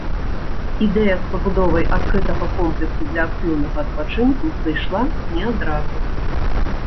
Ідэя з пабудовай адкрытага комплексу для актыўнага адпачынку прыйшла не адразу.